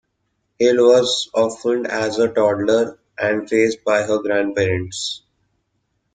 Hill was orphaned as a toddler and raised by her grandparents.